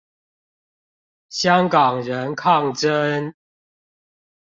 香港人抗爭